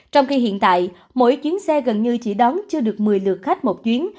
trong khi hiện tại mỗi chuyến xe gần như chỉ đón chưa được một mươi lượt khách một chuyến